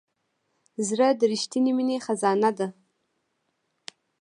زړه د رښتینې مینې خزانه ده.